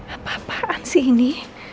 apa apaan sih ini